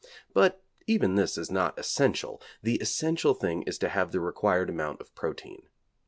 But even this is not essential: the essential thing is to have the required amount of protein.